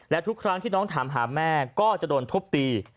และทุกครั้งที่น้องถามหาแม่ก็จะโดนทุบตี